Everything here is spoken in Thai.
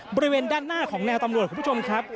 บริเวณด้านหน้าของแนวตำรวจคุณผู้ชมครับ